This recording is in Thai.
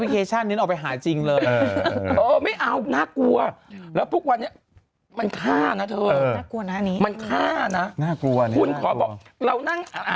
กินกลือกินกันเอง